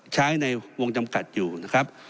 ใช้ในวงจำกัดอยู่นะครับ